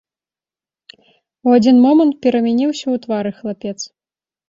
У адзін момант перамяніўся ў твары хлапец.